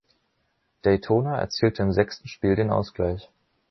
Daytona erzielte im sechsten Spiel den Ausgleich.